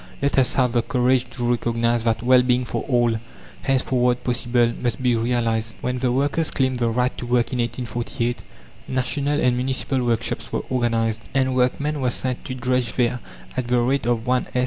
Let us have the courage to recognise that Well being for all, henceforward possible, must be realized. When the workers claimed the right to work in 1848, national and municipal workshops were organized, and workmen were sent to drudge there at the rate of 1s.